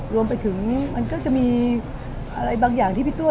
รวมไปถึงมันก็จะมีอะไรบางอย่างที่พี่ตัว